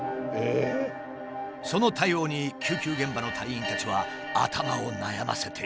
その対応に救急現場の隊員たちは頭を悩ませている。